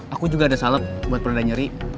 aku juga ada salep buat produk nyeri